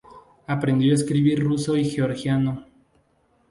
Aprendió a escribir ruso y georgiano.